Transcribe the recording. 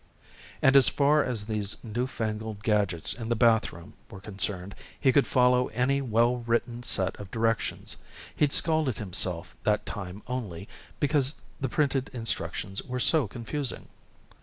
And as far as these newfangled gadgets in the bathroom were concerned, he could follow any well written set of directions. He'd scalded himself that time only because the printed instructions were so confusing.